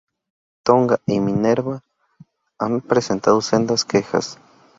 Tonga y Minerva han presentado sendas quejas.